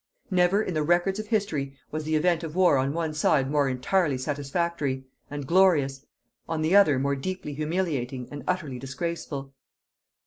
Never in the records of history was the event of war on one side more entirely satisfactory, and glorious, on the other more deeply humiliating and utterly disgraceful.